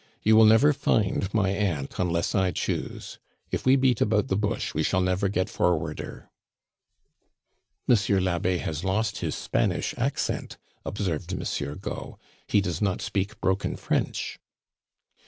You will never find my aunt unless I choose. If we beat about the bush, we shall never get forwarder." "Monsieur l'Abbe has lost his Spanish accent," observed Monsieur Gault; "he does not speak broken French."